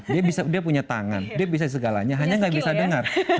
dia punya tangan dia bisa segalanya hanya gak bisa dengar